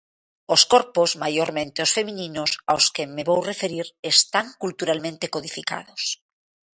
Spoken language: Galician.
Os corpos, maiormente os femininos, aos que me vou referir, están culturalmente codificados.